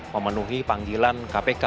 memenuhi panggilan kpk